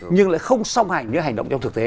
nhưng lại không song hành với hành động trong thực tế